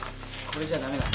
これじゃダメだ。